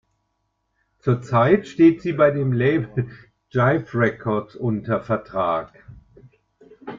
Zurzeit steht sie bei dem Label "Jive Records" unter Vertrag.